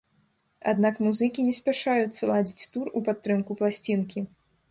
Аднак музыкі не спяшаюцца ладзіць тур у падтрымку пласцінкі.